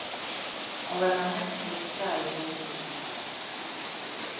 Лара маҷк лԥсы ааивылгеит.